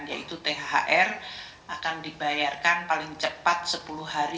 yaitu thr akan dibayarkan paling cepat sepuluh hari